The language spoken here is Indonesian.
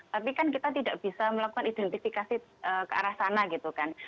tapi kan kita tidak bisa melakukan identifikasi ke arah sana gitu kan